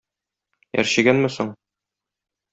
Әрчегәнме соң?